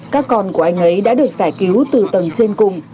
các con của anh ấy đã được giải cứu từ tầng trên cùng